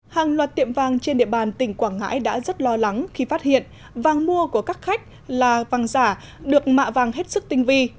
hàng loạt tiệm vàng trên địa bàn tỉnh quảng ngãi đã rất lo lắng khi phát hiện vàng mua của các khách là vàng giả được mạ vàng hết sức tinh vi